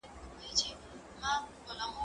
زه به لاس مينځلي وي!.